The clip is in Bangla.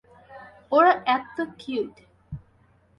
ওরা এত্ত কিউট।